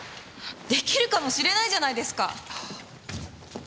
できるかもしれないじゃないですか！